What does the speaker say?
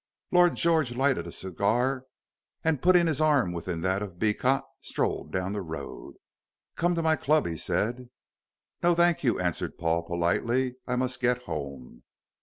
Lord George lighted a cigar, and putting his arm within that of Beecot, strolled down the road. "Come to my club," he said. "No, thank you," answered Paul, politely, "I must get home."